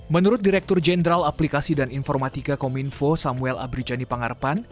menurut direktur jenderal aplikasi dan informatika kominfo samuel abrijani pangarappan